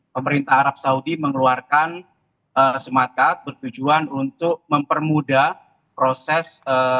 pemerintah arab saudi mengeluarkan smart card bertujuan untuk mempermudah proses